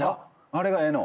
あれがええの？